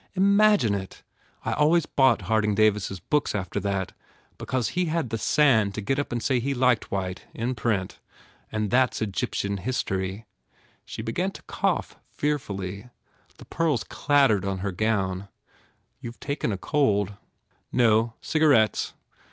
Imagine it! I always bought Harding Davis s books after that because he had the sand to get up and say he liked White, in print. But that s Egyptian history." She began to cough fear fully. The pearls clattered on her gown. "You ve taken cold." "No. Cigarettes.